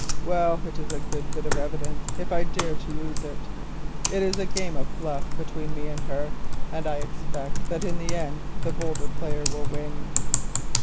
Well, it is a good bit of evidence, if ever I dare to use it. It is a game of bluff between me and her, and I expect that in the end the boldest player will win."